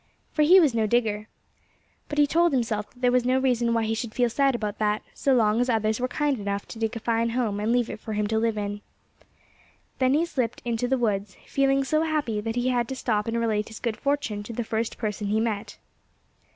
For he was no digger. But he told himself that there was no reason why he should feel sad about that, so long as others were kind enough to dig a fine home and leave it for him to live in. Then he slipped into the woods, feeling so happy that he had to stop and relate his good fortune to the first person he met.